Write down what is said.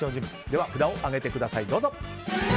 では札を上げてください。